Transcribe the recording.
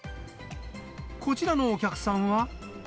こちらのお客さんは。